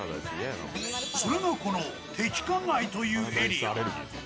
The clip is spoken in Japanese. それがこの迪化街というエリア。